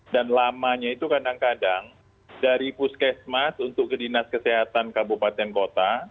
dan lamanya itu kadang kadang dari puskesmas untuk kedinas kesehatan kabupaten kota